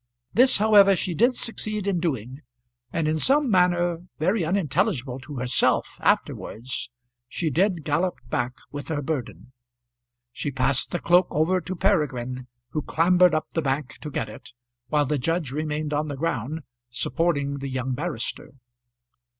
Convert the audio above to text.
This, however, she did succeed in doing, and in some manner, very unintelligible to herself afterwards, she did gallop back with her burden. She passed the cloak over to Peregrine, who clambered up the bank to get it, while the judge remained on the ground, supporting the young barrister.